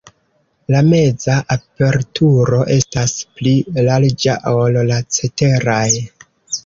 La meza aperturo estas pli larĝa, ol la ceteraj.